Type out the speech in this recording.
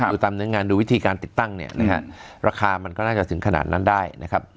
ดูตามเนื้องานดูวิธีการติดตั้งเนี่ยนะฮะราคามันก็น่าจะถึงขนาดนั้นได้นะครับ